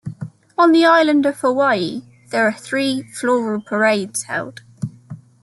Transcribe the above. On the Island of Hawaii, there are three floral parades held.